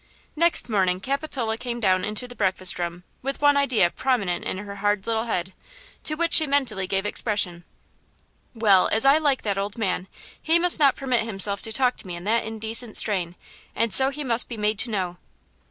Next morning, Capitola came down into the breakfast room with one idea prominent in her hard little head, to which she mentally gave expression: "Well as I like that old man, he must not permit himself to talk to me in that indecent strain, and so he must be made to know."